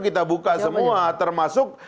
kita buka semua termasuk